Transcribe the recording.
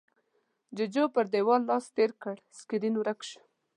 جُوجُو پر دېوال لاس تېر کړ، سکرين ورک شو.